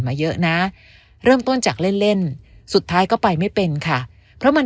มาเยอะนะเริ่มต้นจากเล่นเล่นสุดท้ายก็ไปไม่เป็นค่ะเพราะมัน